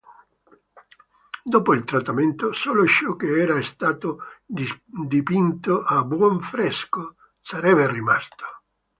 Dopo il trattamento, solo ciò che era stato dipinto a "buon fresco" sarebbe rimasto.